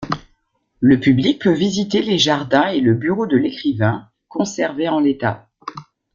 Le public peut visiter les jardins et le bureau de l'écrivain, conservé en l'état.